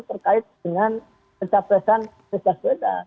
terkait dengan pencapresan sesuatu